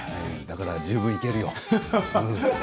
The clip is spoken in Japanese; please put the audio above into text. だから十分、行けるよ。